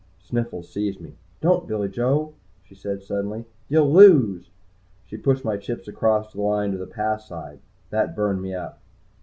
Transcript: Sniffles seized me. "Don't Billy Joe!" she said suddenly. "You'll lose!" She pushed my chips across the line to the "Pass" side. That burned me up.